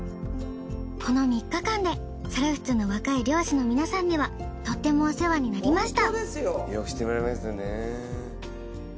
この３日間で猿払の若い漁師の皆さんにはとってもお世話になりました。